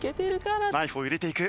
ナイフを入れていく。